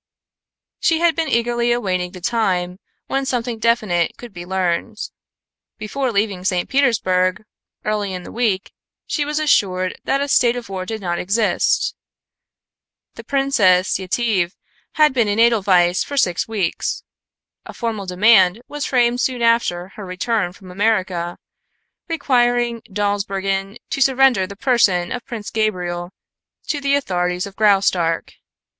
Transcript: She had been eagerly awaiting the time when something definite could be learned. Before leaving St. Petersburg early in the week she was assured that a state of war did not exist. The Princess Yetive had been in Edelweiss for six weeks. A formal demand was framed soon after her return from America, requiring Dawsbergen to surrender the person of Prince Gabriel to the authorities of Graustark.